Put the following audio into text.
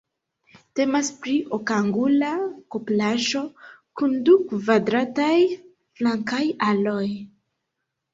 Temas pri okangula kupolaĵo kun du kvadrataj flankaj aloj.